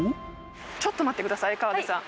ちょっと待ってください、河出さん。